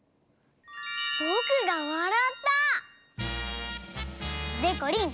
ぼくがわらった！でこりん